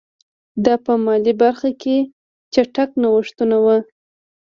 دا په مالي برخه کې چټک نوښتونه وو.